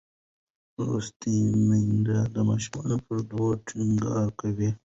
لوستې میندې د ماشوم پر ودې ټینګار کوي.